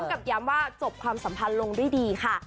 พร้อมกับย้ำว่าจบความสัมพันธ์ลงดีค่ะ